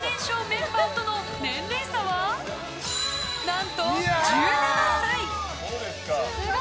先日入った最年少メンバーとの年齢差は、何と１７歳！